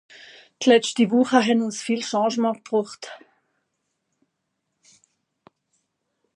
D’letschte Wùche hàn ùns viel Changement gebroocht.